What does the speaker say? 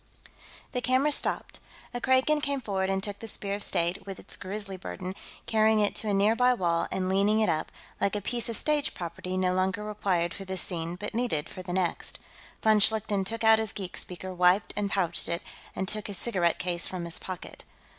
The camera stopped. A Kragan came forward and took the Spear of State, with its grisly burden, carrying it to a nearby wall and leaning it up, like a piece of stage property no longer required for this scene but needed for the next. Von Schlichten took out his geek speaker, wiped and pouched it, and took his cigarette case from his pocket.